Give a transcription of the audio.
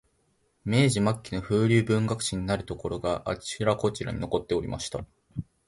明治末期の風流文学史になるところが、あちらこちらに残っておりました